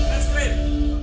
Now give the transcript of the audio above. yang kecil langsung